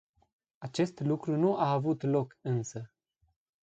Acest lucru nu a avut loc însă.